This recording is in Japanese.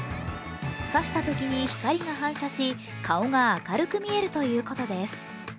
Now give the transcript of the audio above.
差したときに光りが反射し、顔が明るく見えるということです。